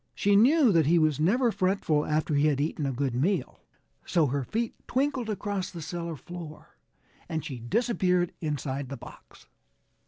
She knew that he was never fretful after he had eaten a good meal. So her feet twinkled across the cellar floor and she disappeared inside the box.